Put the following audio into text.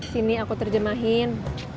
sini aku terjemahin